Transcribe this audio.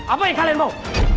apa yang kalian mau